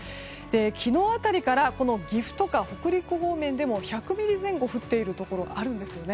昨日辺りからこの岐阜とか北陸方面でも１００ミリ前後降っているところあるんですよね。